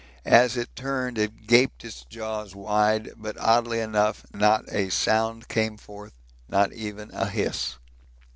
As it turned it gaped its jaws wide, but oddly enough not a sound came forth, not even a hiss.